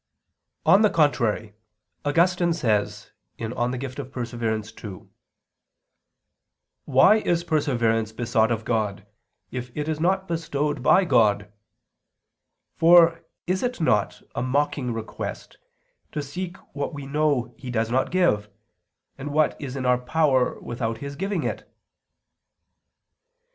On the contrary, Augustine says (De Persev. ii): "Why is perseverance besought of God, if it is not bestowed by God? For is it not a mocking request to seek what we know He does not give, and what is in our power without His giving it?"